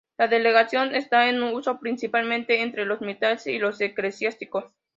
La degradación está en uso principalmente entre los militares y los eclesiásticos.